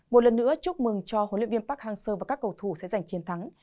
một lần nữa chúc mừng cho huấn luyện viên park hang seo và các cầu thủ sẽ giành chiến thắng